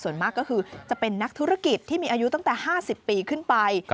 ส่วนมากก็คือจะเป็นนักธุรกิจที่มีอายุตั้งแต่๕๐ปีขึ้นไป